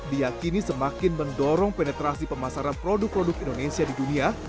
diakini semakin mendorong penetrasi pemasaran produk produk indonesia di dunia